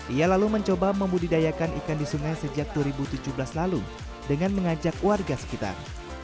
ia lalu mencoba membudidayakan ikan di sungai sejak dua ribu tujuh belas lalu dengan mengajak warga sekitar